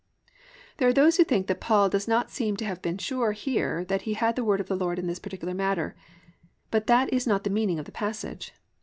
"+ There are those who think that Paul does not seem to have been sure here that he had the word of the Lord in this particular matter, but that is not the meaning of the passage.